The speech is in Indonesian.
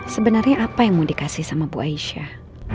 sebenarnya apa yang mau dikasih sama bu aisyah